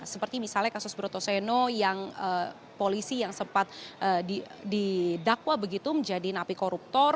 seperti misalnya kasus broto seno yang polisi yang sempat didakwa begitu menjadi napi koruptor